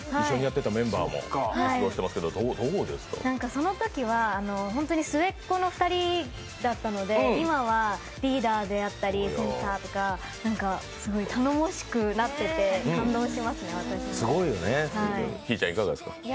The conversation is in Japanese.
そのときは、本当に末っ子の２人だったので、今はリーダーであったりセンターが頼もしくなっていて感動しますね、私たち。